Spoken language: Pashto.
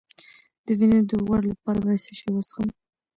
د وینې د غوړ لپاره باید څه شی وڅښم؟